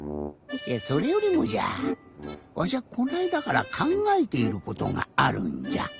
いやそれよりもじゃわしはこのあいだからかんがえていることがあるんじゃ。